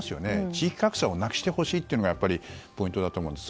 地域格差をなくしてほしいというのがポイントだと思います。